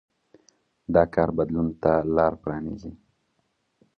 دا کار بدلون ته لار پرانېزي.